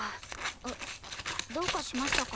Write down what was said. あどうかしましたか？